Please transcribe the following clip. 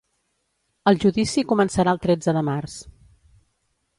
El judici començarà el tretze de març.